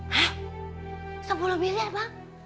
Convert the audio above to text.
hah sepuluh miliar bang